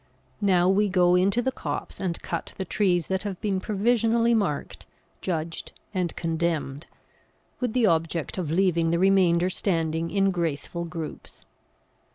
Now we go into the copse and cut the trees that have been provisionally marked, judged, and condemned, with the object of leaving the remainder standing in graceful groups.